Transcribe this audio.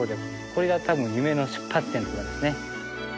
これが多分夢の出発点とかですね。